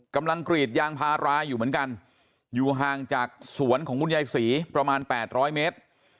กรีดยางพาราอยู่เหมือนกันอยู่ห่างจากสวนของคุณยายศรีประมาณ๘๐๐เมตร